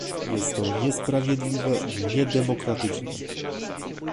Jest to niesprawiedliwe i niedemokratyczne